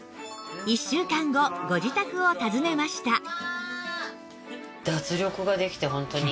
１週間後ご自宅を訪ねました